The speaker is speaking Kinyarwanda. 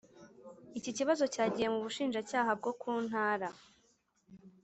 iki kibazo cyagiye mu Bushinjacyaha bwo ku ntara